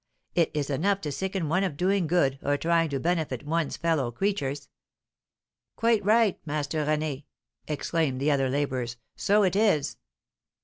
It is enough to sicken one of doing good or trying to benefit one's fellow creatures." "Quite right, Master René," exclaimed the other labourers; "so it is."